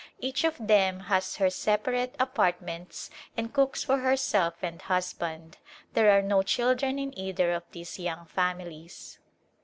Each of them has her separate apartments and cooks for herself and husband. There are no children in either of these young families.